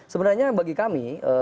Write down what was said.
sebenarnya bagi kami